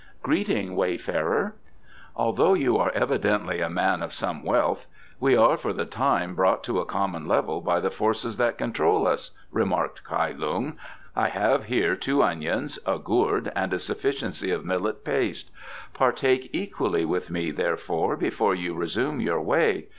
"Greeting, wayfarer." "Although you are evidently a man of some wealth, we are for the time brought to a common level by the forces that control us," remarked Kai Lung. "I have here two onions, a gourd and a sufficiency of millet paste. Partake equally with me, therefore, before you resume your way.